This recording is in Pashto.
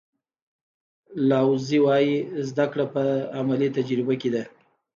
لاوزي وایي زده کړه په عملي تجربه کې ده.